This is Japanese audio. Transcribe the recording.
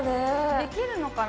できるのかな？